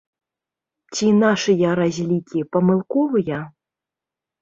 Ці нашыя разлікі памылковыя?